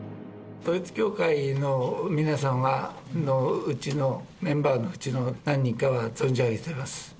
統一教会の皆様のうちの、メンバーのうちの何人かは存じ上げています。